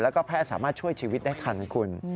แล้วก็แพทย์สามารถช่วยชีวิตได้ทันคุณ